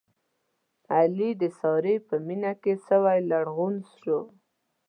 علي د سارې په مینه کې سوی لوغړن شو.